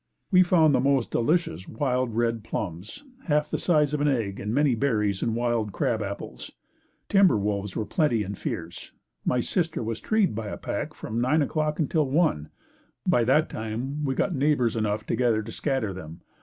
We found the most delicious wild, red plums, half the size of an egg and many berries and wild crab apples. The timber wolves were plenty and fierce. My sister was treed by a pack from nine o'clock until one. By that time we had got neighbors enough together to scatter them.